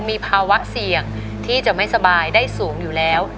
มีภาวะเสี่ยงที่จะไม่สบายได้สูงอยู่แล้ว